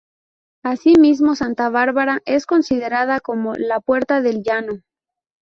Asimismo, Santa Bárbara es considerada como "La Puerta del Llano".